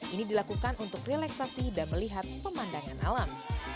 ini dilakukan untuk relaksasi dan melihat pemandangan alam